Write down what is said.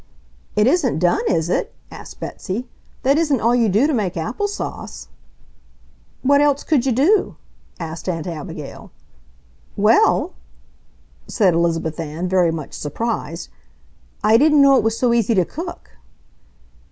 "It isn't done, is it?" asked Betsy. "That isn't all you do to make apple sauce!" "What else could you do?" asked Aunt Abigail. "Well...!" said Elizabeth Ann, very much surprised. "I didn't know it was so easy to cook!"